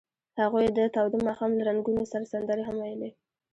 هغوی د تاوده ماښام له رنګونو سره سندرې هم ویلې.